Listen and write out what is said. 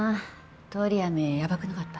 通り雨やばくなかった？